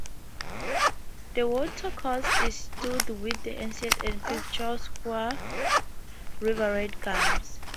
The watercourse is studded with ancient and picturesque River Red Gums.